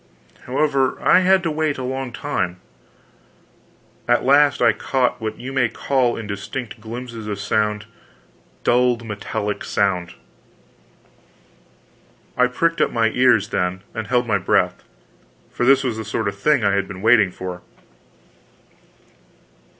However, I had to wait a long time. At last I caught what you may call in distinct glimpses of sound dulled metallic sound. I pricked up my ears, then, and held my breath, for this was the sort of thing I had been waiting for.